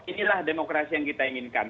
inilah demokrasi yang kita inginkan